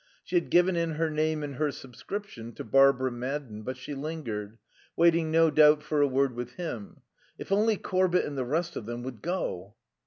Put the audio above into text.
She had given in her name and her subscription to Barbara Madden; but she lingered, waiting no doubt for a word with him. If only Corbett and the rest of them would go.